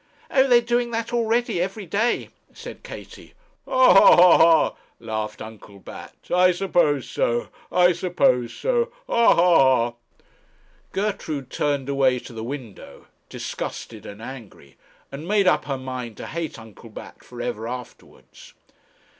'Oh! they're doing that already, every day,' said Katie. 'Ha, ha, ha!' laughed Uncle Bat; 'I suppose so, I suppose so; ha, ha, ha!' Gertrude turned away to the window, disgusted and angry, and made up her mind to hate Uncle Bat for ever afterwards.